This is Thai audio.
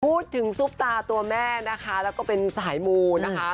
ซุปตาตัวแม่นะคะแล้วก็เป็นสายมูนะคะ